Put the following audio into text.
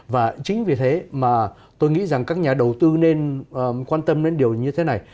và chính vì thế mà tôi nghĩ rằng các nhà đầu tư nên quan tâm đến điều như thế này